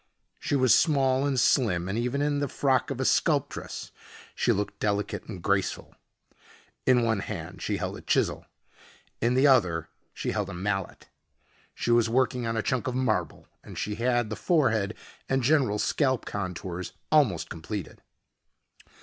She was small and slim and even in the frock of a sculptress she looked delicate and graceful. In one hand she held a chisel. In the other she held a mallet. She was working on a chunk of marble and she had the forehead and general scalp contours almost completed.